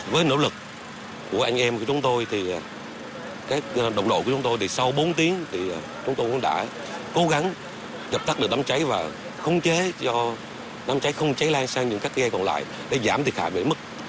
với nỗ lực của anh em của chúng tôi các đồng đội của chúng tôi sau bốn tiếng chúng tôi cũng đã cố gắng chập tắt được đám cháy và khung chế cho đám cháy không cháy lan sang những cái ghe còn lại để giảm thiệt hại về mức